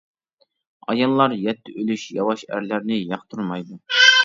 ئاياللار يەتتە ئۈلۈش ياۋاش ئەرلەرنى ياقتۇرمايدۇ.